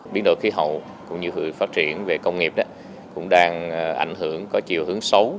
biến đổi khí hậu cũng như sự phát triển về công nghiệp cũng đang ảnh hưởng có chiều hướng xấu